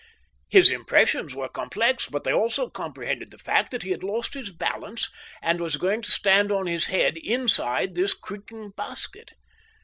His impressions were complex, but they also comprehended the fact that he had lost his balance, and was going to stand on his head inside this creaking basket.